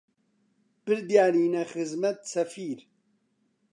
بردیانینە خزمەت سەفیر